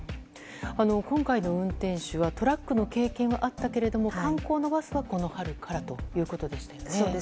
今回の運転手はトラックの経験はあったけれども観光のバスはこの春からということでしたよね。